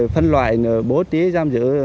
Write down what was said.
phân loại bố trí giam giữ